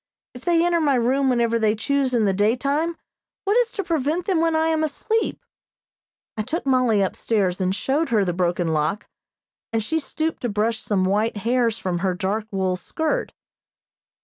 If they enter my room whenever they choose in the daytime, what is to prevent them when I am asleep? I took Mollie upstairs and showed her the broken lock, and she stooped to brush some white hairs from her dark wool skirt.